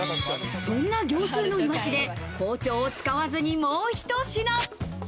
そんな業スーのいわしで包丁を使わずにもうひと品。